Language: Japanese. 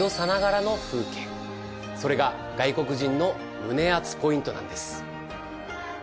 それが外国人の胸熱ポイントなんです。